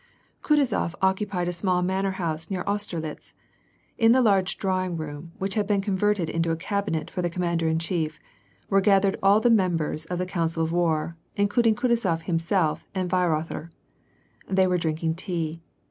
Kutuzof occupied a small manor house near Austerlitz. In the large drawing room, which had been converted into a cab inet for the commander in chief, were gathered all the mem bers of the council of war, including Kutuzof himself and Weirother. They were drinking tea.